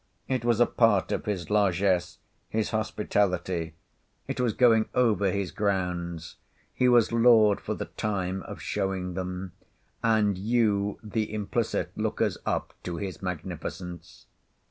It was a part of his largess, his hospitality; it was going over his grounds; he was lord for the time of showing them, and you the implicit lookers up to his magnificence.